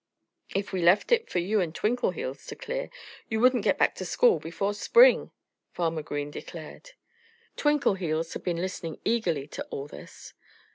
"If we left it for you and Twinkleheels to clear, you wouldn't get back to school before spring," Farmer Green declared. Twinkleheels had been listening eagerly to all this.